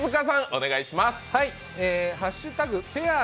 お願いします。